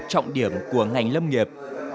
trọng điểm của ngành lâm nghiệp